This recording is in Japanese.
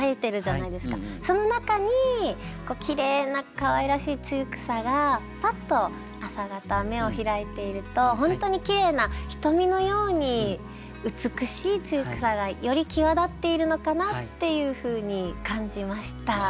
その中にきれいなかわいらしい露草がパッと朝方瞳をひらいていると本当にきれいな瞳のように美しい露草がより際立っているのかなっていうふうに感じました。